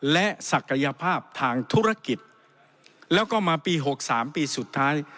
และศักยภาพทางธุรกิจแล้วก็มาปี๖๓ปีสุดท้าย